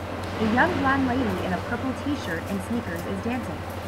A young blond lady in a purple tshirt and sneakers is dancing.